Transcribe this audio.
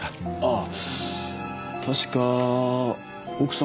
あ確か奥様